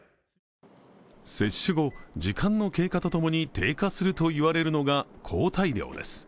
接種後、時間の経過とともに低下すると言われるのが抗体量です。